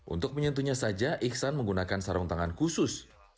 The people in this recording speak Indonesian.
untuk menyentuhnya saja iksan menggunakan sarung tangan khusus